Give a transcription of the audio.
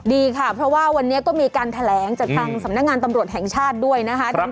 ดีค่ะเพราะว่าวันนี้ก็มีการแถลงจากทางสำนักงานตำรวจแห่งชาติด้วยนะคะ